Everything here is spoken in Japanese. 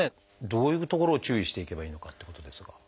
どういうところを注意していけばいいのかってことですが。